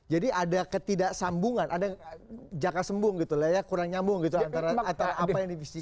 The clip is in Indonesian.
jadi ada ketidaksambungan ada jaka sembung gitu kurang nyambung antara apa yang dipisihkan